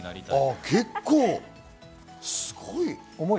結構すごい。